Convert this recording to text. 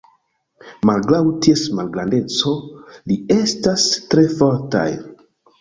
Malgraŭ ties malgrandeco, ili estas tre fortaj.